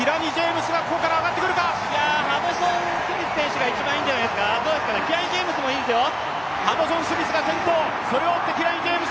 ハドソンスミス選手が一番いいんじゃないですか、キラニ・ジェームスもいいですよ。